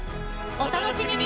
お楽しみに。